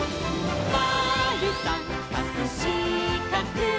「まるさんかくしかく」